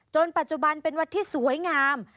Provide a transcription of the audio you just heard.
ปัจจุบันเป็นวัดที่สวยงาม